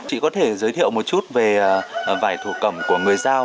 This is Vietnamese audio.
chị có thể giới thiệu một chút về vải thổ cẩm của người dao